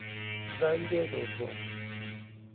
زنگ دوم